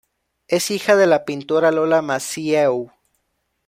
Es hija de la pintora Lola Massieu.